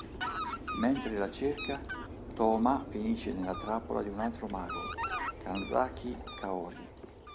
Mentre la cerca, Tōma finisce nella trappola di un altro mago, Kanzaki Kaori.